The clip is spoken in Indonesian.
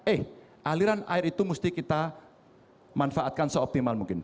eh aliran air itu mesti kita manfaatkan seoptimal mungkin